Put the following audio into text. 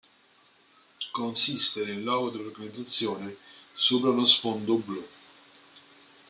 Consiste nel logo dell'organizzazione sopra uno sfondo blu.